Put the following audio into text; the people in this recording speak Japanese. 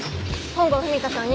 本郷文香さん